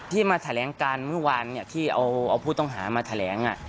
มาแถลงการเมื่อวานที่เอาผู้ต้องหามาแถลง